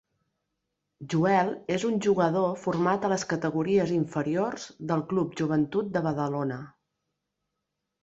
Joel és un jugador format a les categories inferiors del Club Joventut de Badalona.